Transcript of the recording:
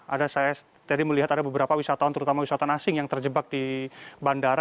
ada saya tadi melihat ada beberapa wisatawan terutama wisata asing yang terjebak di bandara